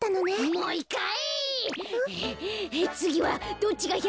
もう１かい！